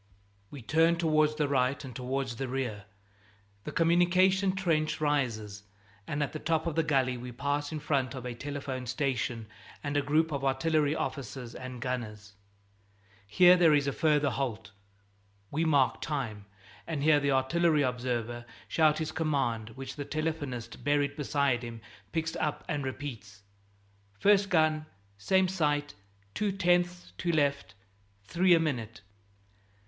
We turn towards the right and towards the rear. The communication trench rises, and at the top of the gully we pass in front of a telephone station and a group of artillery officers and gunners. Here there is a further halt. We mark time, and hear the artillery observer shout his commands, which the telephonist buried beside him picks up and repeats: "First gun, same sight; two tenths to left; three a minute!"